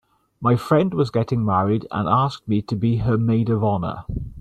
My friend was getting married and asked me to be her maid of honor.